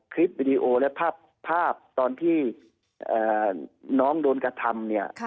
คลิปวิดีโอและภาพตอนที่น้องโดนกระทำเนี่ย